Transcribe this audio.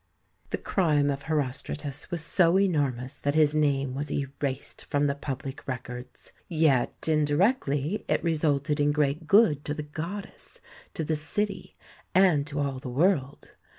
The crime of Herostratus was so enormous that his name was erased from the public records, yet indirectly it resulted in great good to the goddess, to the city, and to all the world.